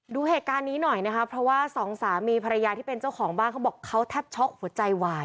ดูเหตุการณ์นี้หน่อยนะคะเพราะว่าสองสามีภรรยาที่เป็นเจ้าของบ้านเขาบอกเขาแทบช็อกหัวใจวาย